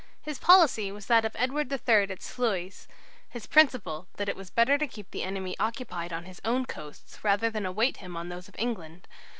His policy was that of Edward III at Sluys, his principle that it was better to keep the enemy occupied on his own coasts rather than await him on those of England.